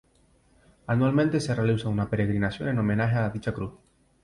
Anualmente se realiza una peregrinación en homenaje a dicha cruz.